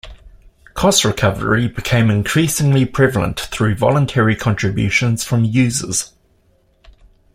Cost recovery became increasingly prevalent through "voluntary" contributions from users.